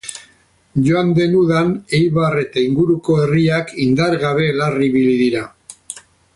Joan den udan Eibar eta inguruko herriak indar gabe larri ibili dira.